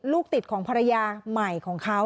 ลูกติดของภรรยาใหม่ของเขา